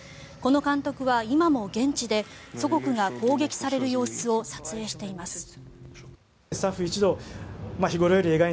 この監督は今も現地で祖国が攻撃される様子を撮影しています。